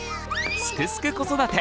「すくすく子育て」